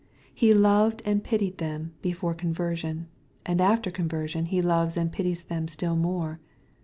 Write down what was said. He loved and pitied them before con version, and after conversion He loves and pities them still more.